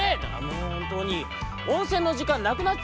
「もうほんとうにおんせんのじかんなくなっちゃうわよ」。